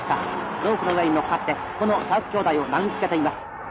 ロープの上に乗っかってこのシャープ兄弟を殴りつけています。